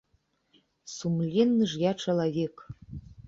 Сумленны ж я чалавек.